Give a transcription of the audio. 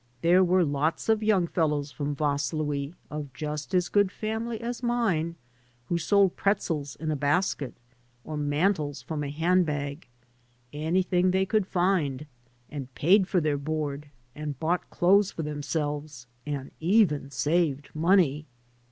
There were lots of yoimg fellows from Vaslui, of just as good family as mine, who sold pretzels in a basket, or mantles from a hand bag — anything they could find — ^and paid for their board, and bought clothes for themselves, and even saved money.